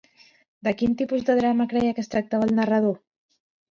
De quin tipus de drama creia que es tractava el narrador?